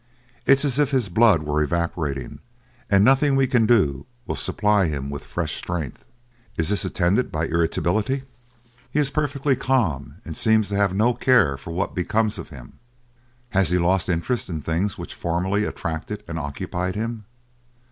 It's as if his blood were evaporating and nothing we can do will supply him with fresh strength." "Is this attended by irritability?" "He is perfectly calm and seems to have no care for what becomes of him." "Has he lost interest in the things which formerly attracted and occupied him?"